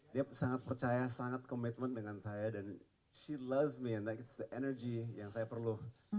dia sangat percaya sangat commitment dengan saya dan she loves me and that's the energy yang saya perlu